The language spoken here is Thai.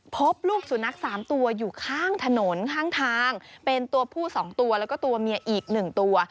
พบลูกสุนัข๓ตัวอยู่ข้างถนนข้างทางเป็นตัวผู้๒ตัวแล้วก็ตัวเมียอีก๑ตัว